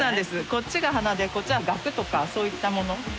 こっちが花でこっちはガクとかそういったもの。